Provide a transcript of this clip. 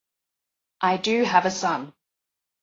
I do have a son.